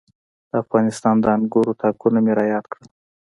د افغانستان د انګورو تاکونه مې را یاد کړل.